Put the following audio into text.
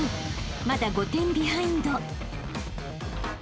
［まだ５点ビハインド］